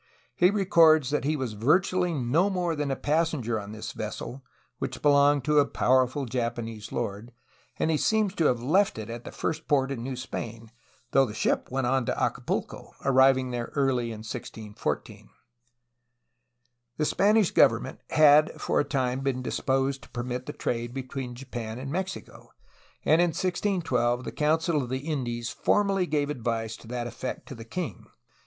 He records that he was virtually no more than a passenger on this vessel, which belonged to a powerful Japanese lord, and he seems to have left it at the first port in New Spain, though the ship went on to Acapulco, arriving there early in 1614. The Spanish government had for a time been disposed to permit of the trade between Japan and Mexico, and in 1612 the Council of the Indies formally gave advice to that effect to the king.